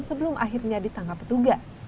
sebelum akhirnya ditangkap petugas